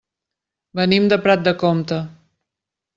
Venim de Prat de Comte.